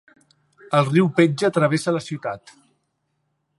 El riu Pedja travessa la ciutat.